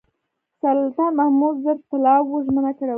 سلطان محمود زر طلاوو ژمنه کړې وه.